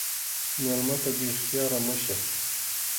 مېلمه ته بې اختیاره مه شه.